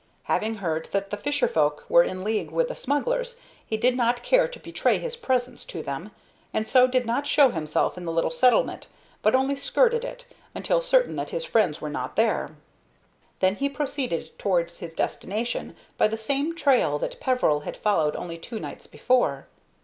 Having heard that the fisher folk were in league with the smugglers, he did not care to betray his presence to them, and so did not show himself in the little settlement, but only skirted it, until certain that his friends were not there. Then he proceeded towards his destination by the same trail that Peveril had followed only two nights before.